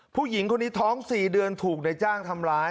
ผู้หญิงคนนี้ท้อง๔เดือนถูกในจ้างทำร้าย